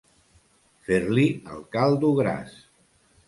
Fer-li el caldo gras.